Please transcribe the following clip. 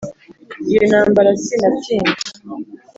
Iyo ntambara sinatinya